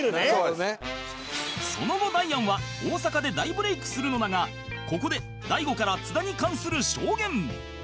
その後ダイアンは大阪で大ブレイクするのだがここで大悟から津田に関する証言